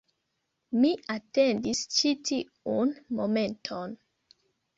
Mi atendis ĉi tiun momenton